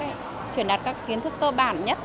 chuyển đạt các kiến thức cơ bản nhất